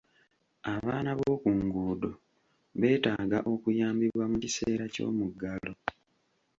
Abaana b'oku nguudo beetaaga okuyambibwa mu kiseera ky'omuggalo.